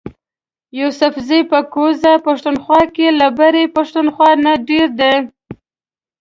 یوسفزي په کوزه پښتونخوا کی له برۍ پښتونخوا نه ډیر دي